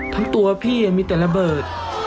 ทั้งตัวพี่มีแต่ระเบิด